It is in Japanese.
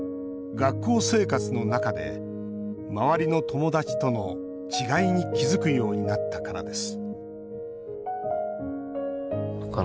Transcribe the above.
学校生活の中で周りの友達との違いに気付くようになったからです